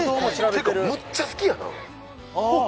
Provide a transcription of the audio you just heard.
っていうかむっちゃ好きやな。